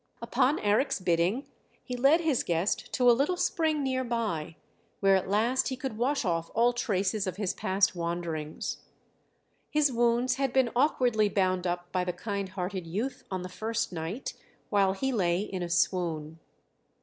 Upon Eric's bidding he led his guest to a little spring near by, where at last he could wash off all traces of his past wanderings. His wounds had been awkwardly bound up by the kind hearted youth on the first night, while he lay in a swoon.